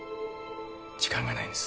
時間がないんです。